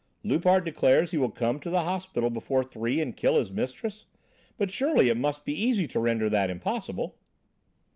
"Loupart declares he will come to the hospital before three and kill his mistress, but surely it must be easy to render that impossible."